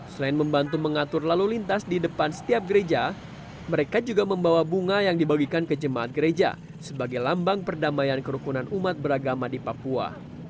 selain membantu mengatur lalu lintas di depan setiap gereja mereka juga membawa bunga yang dibagikan ke jemaat gereja sebagai lambang perdamaian kerukunan umat beragama di papua